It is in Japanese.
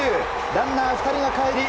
ランナー２人がかえり